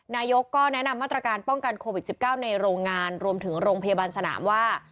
นายกก็แนะนำมาตรการป้องกันโควิด๑๙ในโรงงานรวมถึงโรงพยาบาลสนามว่า